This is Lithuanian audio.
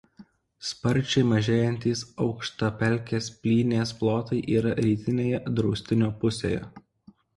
Sparčiai mažėjantys aukštapelkės plynės plotai yra rytinėje draustinio pusėje.